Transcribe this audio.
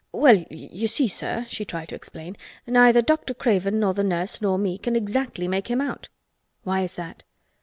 "Well, you see, sir," she tried to explain, "neither Dr. Craven, nor the nurse, nor me can exactly make him out." "Why is that?"